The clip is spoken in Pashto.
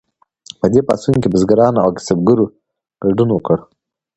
په دې پاڅون کې بزګرانو او کسبګرو ګډون وکړ.